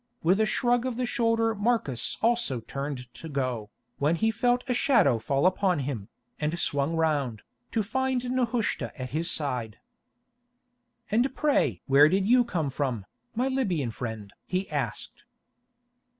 With a shrug of the shoulder Marcus also turned to go, when he felt a shadow fall upon him, and swung round, to find Nehushta at his side. "And pray where did you come from, my Libyan friend?" he asked.